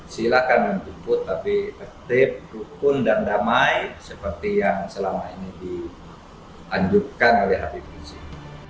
silakan menjemput tapi tertib rukun dan damai seperti yang selama ini dianjurkan oleh habib rizik